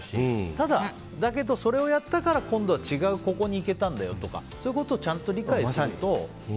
ただ、だけどそれをやったから今度は違うここに行けたんだよとかそういうことを理解すると。